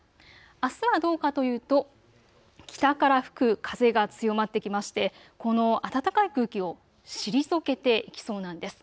あすはどうかというと北から吹く風が強まってきましてこの暖かい空気を退けていきそうなんです。